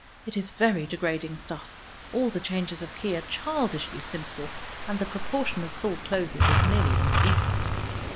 It is very degrading stuff; all the changes of key are childishly simple, and the proportion of full closes is nearly indecent.